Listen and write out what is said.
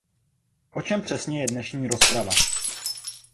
O čem přesně je dnešní rozprava?